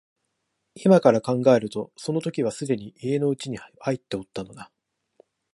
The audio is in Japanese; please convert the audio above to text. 今から考えるとその時はすでに家の内に入っておったのだ